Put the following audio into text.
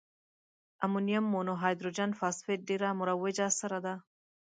امونیم مونو هایدروجن فاسفیټ ډیره مروجه سره ده.